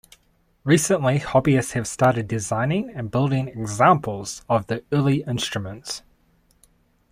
Recently, hobbyists have started designing and building examples of the early instruments.